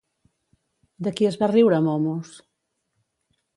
De qui es va riure Momos?